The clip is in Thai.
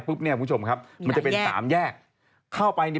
ซึ่งตอน๕โมง๔๕นะฮะทางหน่วยซิวได้มีการยุติการค้นหาที่